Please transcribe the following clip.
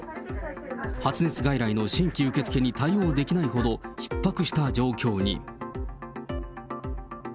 発熱外来の新規受け付けに対応できないほどひっ迫した状況に。